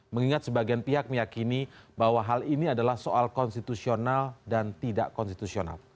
mengingat sebagian pihak meyakini bahwa hal ini adalah soal konstitusional dan tidak konstitusional